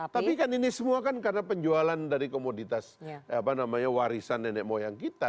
tapi kan ini semua kan karena penjualan dari komoditas warisan nenek moyang kita